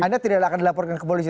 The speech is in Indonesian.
anda tidak akan dilaporkan ke polisi